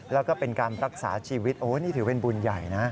แล้วก็เป็นการรักษาชีวิตโอ้นี่ถือเป็นบุญใหญ่นะ